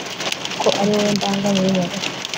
kuko ari wowe ndangamiye, nyagasani